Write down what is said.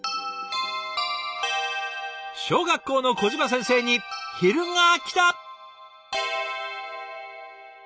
小学校の小島先生に昼がきた。